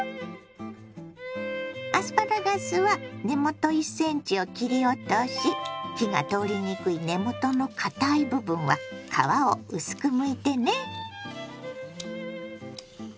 アスパラガスは根元１ｃｍを切り落とし火が通りにくい根元のかたい部分は皮を薄くむいてね。